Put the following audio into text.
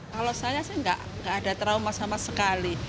kalau saya saya tidak ada trauma sama sekali